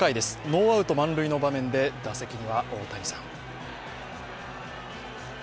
ノーアウト満塁の場面で打席には大谷さん。